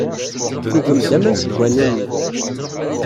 Tugem-d aman seg wanu-nni.